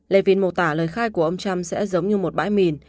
levin mô tả lời khai của ông trump sẽ giống như một bãi mìn